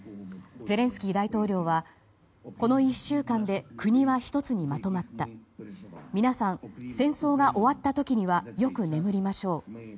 ゼレンスキー大統領はこの１週間で国は１つにまとまった皆さん、戦争が終わった時にはよく眠りましょう。